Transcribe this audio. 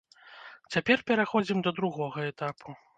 Цяпер пераходзім да другога этапу.